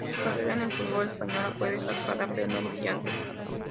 Su carrera en el fútbol español fue destacada pero no brillante.